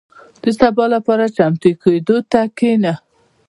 • د سبا لپاره چمتو کېدو ته کښېنه.